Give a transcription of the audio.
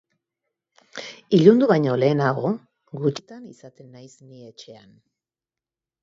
Ilundu baino lehenago, gutxitan izaten naiz ni etxean!